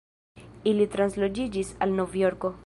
Ili transloĝiĝis al Nov-Jorko.